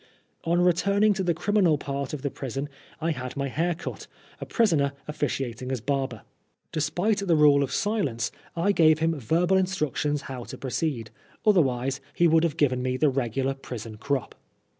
On returning to the criminal part of the prison I had my hair cut, a prisoner officiating as barber. Despite the rule of silence, I gave him verbal instructions how to proceed, otherwise he would have given me the regular prison crop.